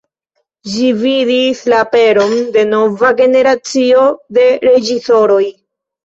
Ĝi vidis la aperon de nova generacio de reĝisoroj.